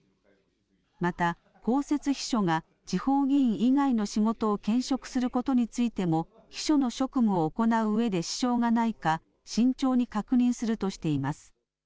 また公設秘書が地方議員以外の仕事を兼職することについても秘書の職務を行ううえで支障がないか慎重に確認するとしています。